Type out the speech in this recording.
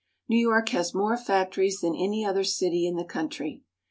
New York has more factories than any other city in the country.